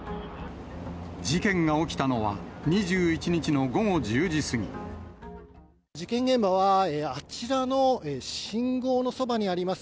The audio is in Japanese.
事件が起きたのは、事件現場は、あちらの信号のそばにあります